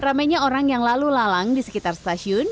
ramainya orang yang lalu lalang di sekitar stasiun